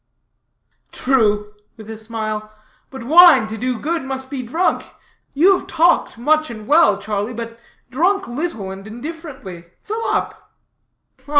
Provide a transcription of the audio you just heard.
"True," with a smile. "But wine, to do good, must be drunk. You have talked much and well, Charlie; but drunk little and indifferently fill up."